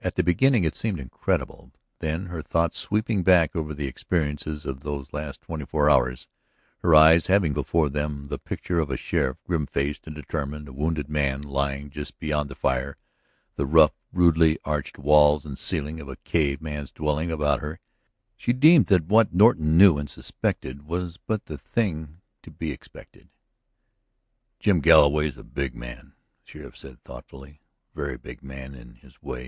At the beginning it seemed incredible; then, her thoughts sweeping back over the experiences of these last twenty four hours, her eyes having before them the picture of a sheriff, grim faced and determined, a wounded man lying just beyond the fire, the rough, rudely arched walls and ceiling of a cave man's dwelling about her, she deemed that what Norton knew and suspected was but the thing to be expected. "Jim Galloway is a big man," the sheriff said thoughtfully. "A very big man in his way.